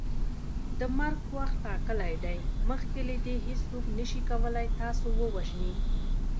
د مرګ وخت ټاکلی دی مخکي له دې هیڅوک نسي کولی تاسو ووژني